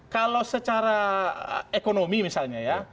kalau secara ekonomi misalnya ya